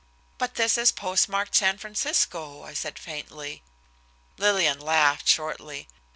"But this is postmarked San Francisco," I said faintly. Lillian laughed shortly.